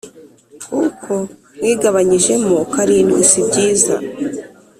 Kuko mwigabanyijemo karindwi sibyiza